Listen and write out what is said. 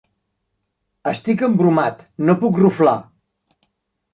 Estic embromat: no puc ruflar.